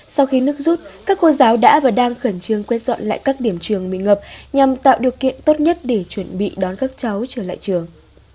sau khi nước rút các cô giáo đã và đang khẩn trương quét dọn lại các điểm trường bị ngập nhằm tạo điều kiện tốt nhất để chuẩn bị đón các cháu trở lại trường